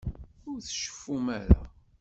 Ur tceffum ara.